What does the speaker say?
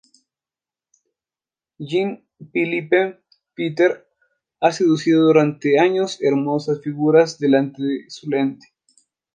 Jean Philippe Piter ha seducido durante años hermosas figuras delante de su lente.